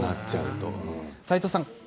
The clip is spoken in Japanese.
斎藤さん